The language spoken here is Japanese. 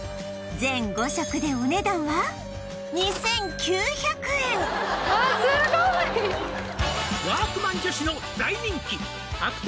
全５色でお値段は「ワークマン女子の」